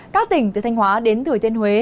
các tỉnh từ thanh hóa đến thủy thiên huế